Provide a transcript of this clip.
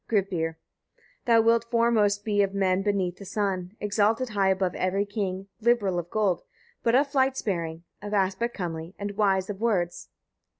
Gripir. 7. Thou wilt foremost be of men beneath the sun, exalted high above every king; liberal of gold, but of flight sparing, of aspect comely, and wise of words.